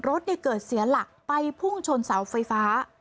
รถเกิดเสียหลักไปพุ่งชนเสาไฟฟ้า